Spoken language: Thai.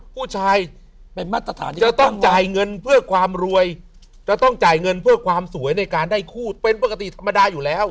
ผู้ชายเป็นมาตรฐานที่จะต้องจ่ายเงินเพื่อความรวยจะต้องจ่ายเงินเพื่อความสวยในการได้คู่เป็นปกติธรรมดาอยู่แล้ว